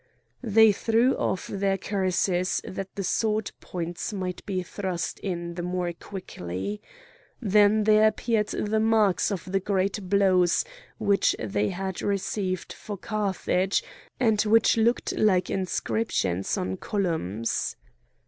They threw off their cuirasses that the sword points might be thrust in the more quickly. Then there appeared the marks of the great blows which they had received for Carthage, and which looked like inscriptions on columns.